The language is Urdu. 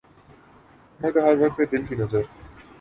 عمر کے ہر ورق پہ دل کی نظر